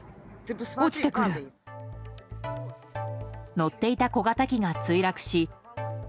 乗っていた小型機が墜落し。